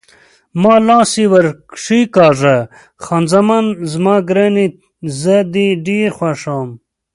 ما لاس یې ور کښېکاږه: خان زمان زما ګرانې، زه دې ډېر خوښوم.